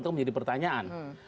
itu menjadi pertanyaan